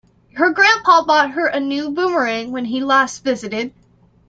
Her grandpa bought her a new boomerang when he last visited.